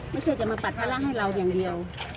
ไม่ใช่จะมาปัดภาระให้เราอย่างเดียว